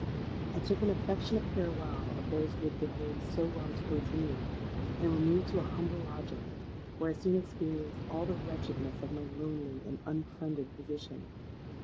I took an affectionate farewell of those who had behaved so well towards me, and removed to a humble lodging, where I soon experienced all the wretchedness of my lonely and unfriended position.